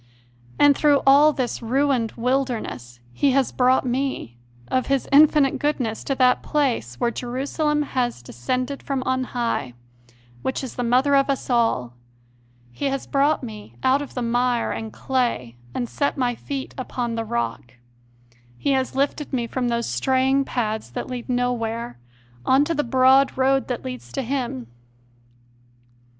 And through all this ruined wilderness He has brought me, of His infinite goodness, to that place where Jerusalem has descended from on high, which is the mother of us all; He has brought me CONFESSIONS OF A CONVERT 163 out of the mire and clay and set my feet upon the rock; He has lifted me from those straying paths that lead nowhere, on to the broad road that leads to Him.